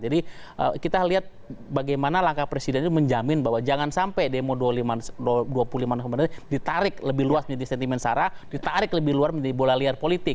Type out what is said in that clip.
jadi kita lihat bagaimana langkah presiden itu menjamin bahwa jangan sampai demo dua puluh lima november ini ditarik lebih luas menjadi sentimen syarat ditarik lebih luar menjadi bola liar politik